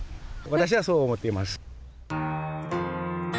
私はそう思っています。